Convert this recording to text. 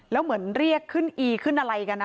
แล้วเหมือนเรียกขึ้นอีขึ้นอะไรกันนะ